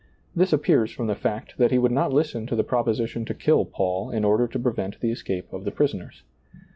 This appears from the fact that he would not listen to the proposition to kill Paul in order to prevent the escape of the prisoners.